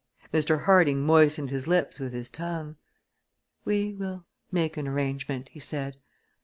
Mr. Harding moistened his lips with his tongue. "We will make an arrangement," he said.